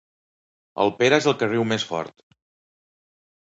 El Pere és el que riu més fort.